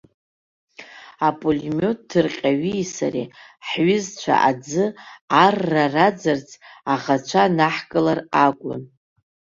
Апулемиот ҭырҟьаҩи сареи, ҳҩызцәа аӡы арра раӡарц, аӷацәа наҳкылар акәын.